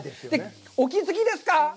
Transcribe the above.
お気づきですか？